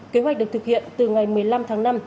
kế hoạch được thực hiện từ ngày một mươi năm tháng năm